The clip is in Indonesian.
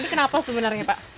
ini kenapa sebenarnya pak